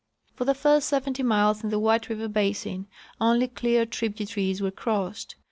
For the first seventy miles in the White River basin only clear tributaries were crossed.